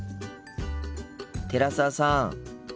寺澤さん。